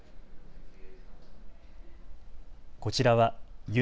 こちらは夢